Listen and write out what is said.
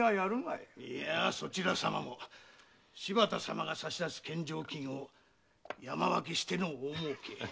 いやそちら様も柴田様が差し出す献上金を山分けしての大儲け。